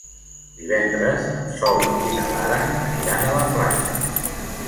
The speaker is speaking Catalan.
Divendres en Sol i na Lara aniran a la platja.